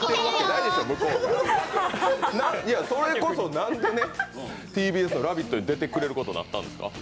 それこそなんでＴＢＳの「ラヴィット！」に出てくれることになったんですか？